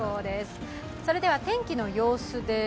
では天気の様子です。